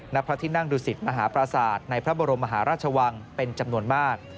พระที่นั่งดุสิตมหาปราศาสตร์ในพระบรมมหาราชวังเป็นจำนวนมาก